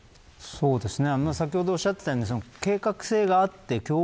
そうですね。